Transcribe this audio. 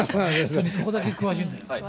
そこだけ詳しいんだ。